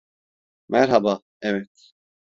Merhaba, evet.